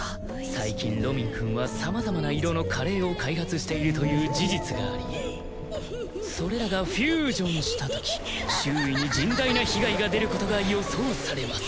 最近ロミンくんはさまざまな色のカレーを開発しているという事実がありそれらがフュージョンしたとき周囲に甚大な被害が出ることが予想されます。